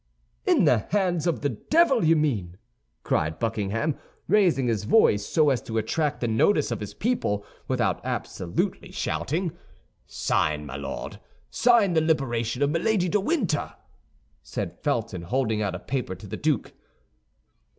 "In the hands of the devil, you mean!" cried Buckingham, raising his voice so as to attract the notice of his people, without absolutely shouting. "Sign, my Lord; sign the liberation of Milady de Winter," said Felton, holding out a paper to the duke.